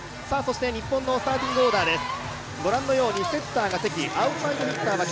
日本のスターティングオーダーです。